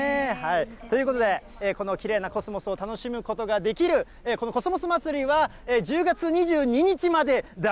ということで、このきれいなコスモスを楽しむことができる、このコスモスまつりは１０月２２日までだ